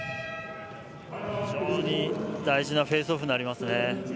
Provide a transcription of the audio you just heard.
非常に大事なフェースオフになりますね。